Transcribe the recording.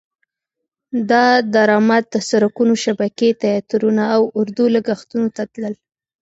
دا درامد د سرکونو شبکې، تیاترونه او اردو لګښتونو ته تلل.